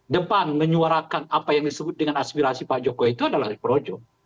depan menyuarakan apa yang disebut dengan aspirasi pak jokowi itu adalah projo